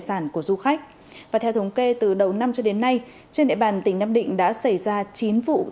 sản của du khách và theo thống kê từ đầu năm cho đến nay trên địa bàn tỉnh nam định đã xảy ra chín vụ